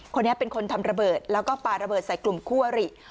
คนนี้เป็นคนทำระเบิดแล้วก็ปลาระเบิดใส่กลุ่มคั่วหรี่